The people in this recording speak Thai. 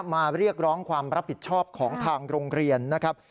มาเรียกร้องความรับผิดชอบของทางโรงเรียนนะครับ